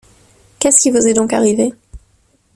Qu'est-ce qui vous est donc arrivé ?